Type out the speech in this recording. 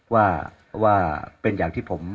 ว่าเป็นอย่างที่ผม